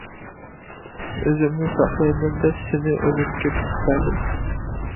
ئۆزۈمنى ساقلايمەن دەپ، سېنى ئۆلۈمگە تۇتۇپ بەردىم.